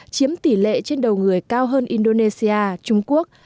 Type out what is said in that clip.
chiếm tỷ lệ trên đầu người cao hơn indonesia trung quốc